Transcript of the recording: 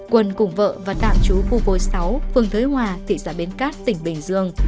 quân cùng vợ và tạm trú khu vôi sáu phương thới hòa thị xã bến cát tỉnh bình dương